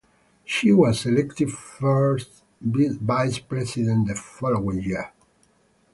She was elected first vice president the following year.